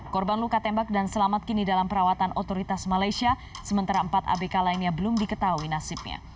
korban luka tembak dan selamat kini dalam perawatan otoritas malaysia sementara empat abk lainnya belum diketahui nasibnya